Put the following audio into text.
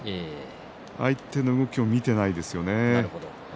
相手の動きを見ていないですよね。